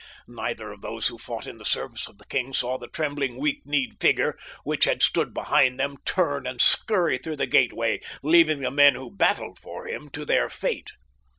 Neither of those who fought in the service of the king saw the trembling, weak kneed figure, which had stood behind them, turn and scurry through the gateway, leaving the men who battled for him to their fate.